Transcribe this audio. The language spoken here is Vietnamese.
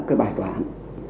cái bài toán